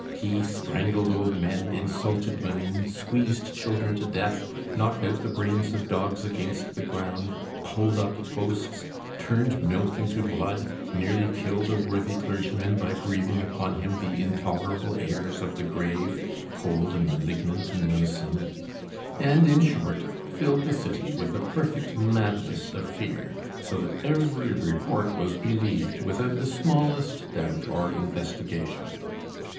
He strangled old men; insulted women; squeezed children to death; knocked out the brains of dogs against the ground; pulled up posts; turned milk into blood; nearly killed a worthy clergyman by breathing upon him the intolerable airs of the grave, cold and malignant and noisome; and, in short, filled the city with a perfect madness of fear, so that every report was believed without the smallest doubt or investigation.